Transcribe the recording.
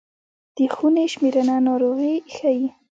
د خونې شمېرنه ناروغي ښيي.